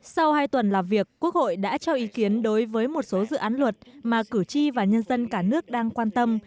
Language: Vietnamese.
sau hai tuần làm việc quốc hội đã cho ý kiến đối với một số dự án luật mà cử tri và nhân dân cả nước đang quan tâm